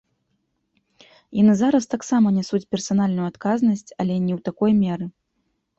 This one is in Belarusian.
Яны зараз таксама нясуць персанальную адказнасць, але не ў такой меры.